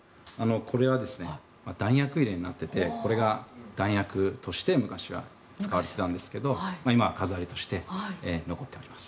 これは弾薬入れになってて弾薬として昔は使ってたんですけど今は飾りとして残っております。